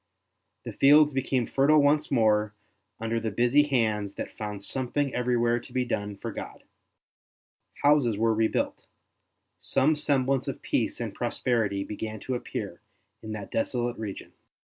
The fields became fertile once more under the busy hands that found something everywhere to be done for God; houses were rebuilt, some semblance of peace and prosperity began to appear in that desolate region.